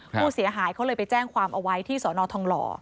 ผู้เสียหายเขาเลยไปแจ้งความเอาไว้ที่สอนอทองหล่อ